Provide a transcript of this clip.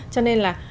cho nên là